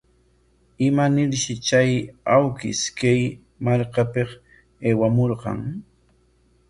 ¿Imanarshi chay awkish kay markapik aywakurqan?